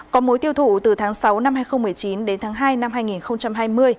có mối tiêu thụ từ tháng sáu năm hai nghìn một mươi chín đến tháng hai năm hai nghìn hai mươi